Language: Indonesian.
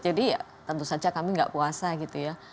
jadi ya tentu saja kami gak puasa gitu ya